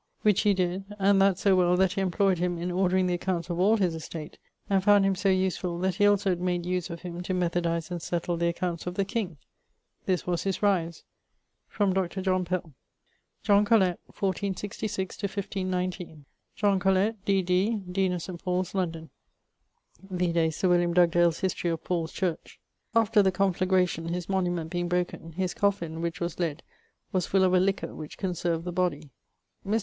Which he did, and that so well that he imployed him in ordering the accounts of all his estate and found him so usefull that he also made use of him to methodize and settle the accompts of the king. This was his rise. From Dr. John Pell. =John Colet= (1466 1519). John Colet, D.D., deane of St. Paule's, London vide Sir William Dugdale's Historie of Paule's church. After the conflagration his monument being broken, his coffin, which was lead, was full of a liquour which conserved the body. Mr.